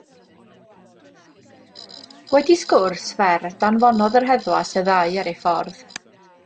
Wedi sgwrs fer danfonodd yr heddwas y ddau ar eu ffordd.